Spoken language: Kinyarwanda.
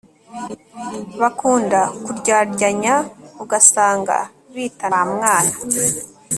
bakunda kuryaryanya ugasanga bitana ba mwana